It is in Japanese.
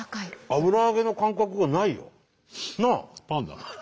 油揚げの感覚がないよ。なあ？